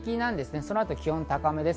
そのあと気温は高めです。